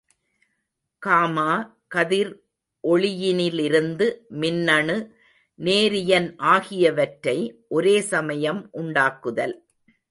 Gamma கதிர் ஒளியினிலிருந்து மின்னணு, நேரியன் ஆகியவற்றை ஒரே சமயம் உண்டாக்குதல்.